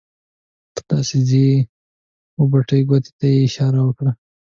ته داسې ځې وه بټې ګوتې ته یې اشاره وکړه.